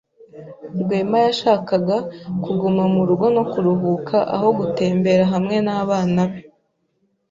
Rwema yashakaga kuguma mu rugo no kuruhuka aho gutembera hamwe n'abana be.